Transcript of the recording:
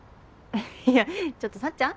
いやちょっと幸ちゃん？